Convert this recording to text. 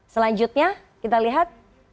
selanjutnya kita lihat